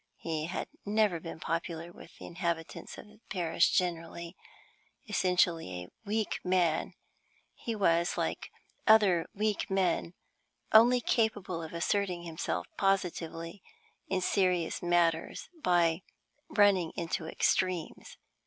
He had never been popular with the inhabitants of his parish generally. Essentially a weak man, he was, like other weak men, only capable of asserting himself positively in serious matters by running into extremes.